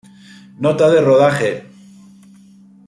Nota de rodaje.